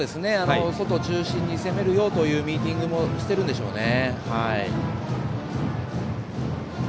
外中心に攻めるぞというミーティングもしてるんでしょうね。